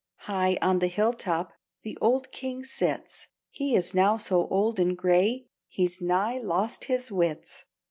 High on the hill top The old King sits; He is now so old and gray He's nigh lost his wits.